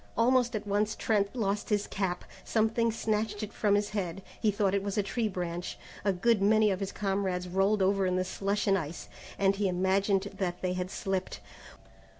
Almost at once Trent lost his cap. Something snatched it from his head, he thought it was a tree branch. A good many of his comrades rolled over in the slush and ice, and he imagined that they had slipped.